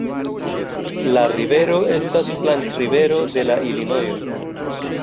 La rivero estas flankrivero de la Ilinojo.